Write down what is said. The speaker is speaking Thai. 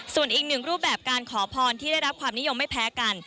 ส่วนอีกหนึ่งรูปแบบการขอพรที่ได้รับความนิยมไม่แพ้กัน